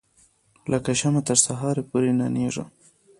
لکه شمعه تر سهار پوري ننیږم